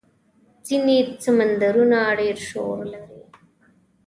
ځینې سمندرونه ډېر شور لري.